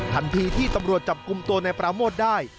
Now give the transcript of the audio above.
ทันทีที่ตำรวจจับกลุ่มตัวนายปราโมทได้